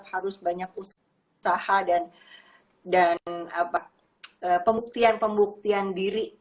harus banyak usaha dan pemuktian pemuktian diri